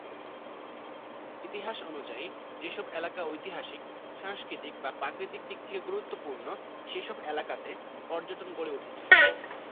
ইতিহাস অনুযায়ী, যে সব এলাকা ঐতিহাসিক, সাংস্কৃতিক বা প্রাকৃতিক দিক থেকে গুরুত্বপূর্ণ, সেই সব এলাকাতে পর্যটন গড়ে উঠেছে।